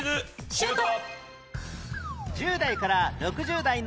シュート！